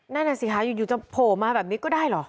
นั่นน่ะสิคะอยู่จะโผล่มาแบบนี้ก็ได้เหรอ